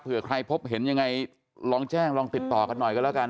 เพื่อใครพบเห็นยังไงลองแจ้งลองติดต่อกันหน่อยกันแล้วกัน